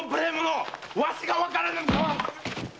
わしがわからぬのか？